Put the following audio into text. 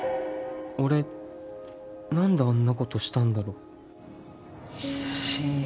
俺何であんなことしたんだろ親友